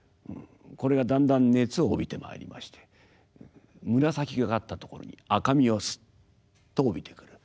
これがだんだん熱を帯びてまいりまして紫がかったところに赤みをスッと帯びてくる。